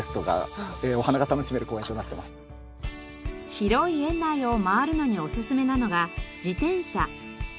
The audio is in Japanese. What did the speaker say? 広い園内を回るのにおすすめなのが自転車。